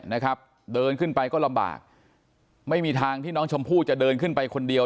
นะครับเดินขึ้นไปก็ลำบากไม่มีทางที่น้องชมพู่จะเดินขึ้นไปคนเดียว